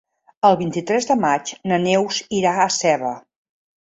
El vint-i-tres de maig na Neus irà a Seva.